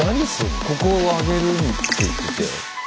ここを上げるって言ってたよ。